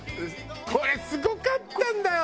これすごかったんだよ！